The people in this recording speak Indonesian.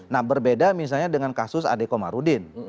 nah berbeda misalnya dengan kasus adekomarudin